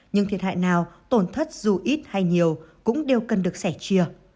nhưng thiệt hại nào tổn thất dù ít hay nhiều cũng đều cần được sẻ chia